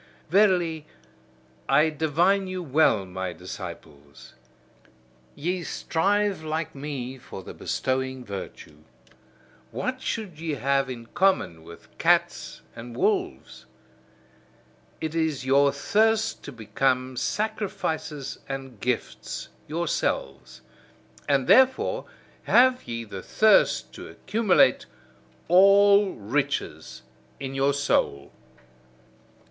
Verily, I divine you well, my disciples: ye strive like me for the bestowing virtue. What should ye have in common with cats and wolves? It is your thirst to become sacrifices and gifts yourselves: and therefore have ye the thirst to accumulate all riches in your soul.